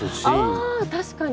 あ確かに。